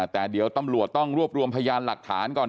แต่เดี๋ยวตำรวจต้องรวบรวมพยานหลักฐานก่อน